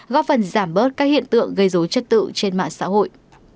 góp phần giảm bớt các hiện tượng gây dối chất tự trên mạng xã hội